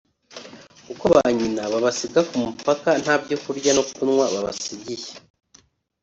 kuko ba nyina babasiga ku mupaka nta byo kurya no kunywa babasigiye